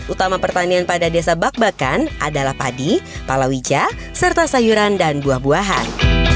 utama pertanian pada desa bak bakan adalah padi palawija serta sayuran dan buah buahan